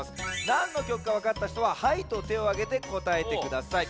なんの曲かわかったひとは「はい」と手をあげてこたえてください。